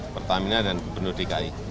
pertamina dan bumn dki